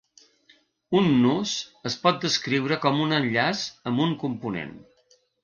Un nus es pot descriure con un enllaç amb un component.